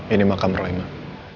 ini makam rahimah